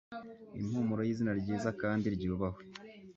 Impumuro yizina ryiza kandi ryubahwa